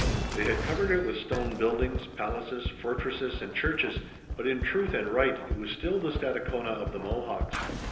They had covered it with stone buildings, palaces, fortresses and churches, but, in truth and right, it was still the Stadacona of the Mohawks.